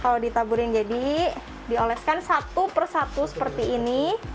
kalau ditaburin jadi dioleskan satu persatu seperti ini